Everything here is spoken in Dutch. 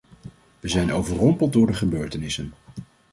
We zijn overrompeld door de gebeurtenissen.